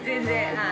はい。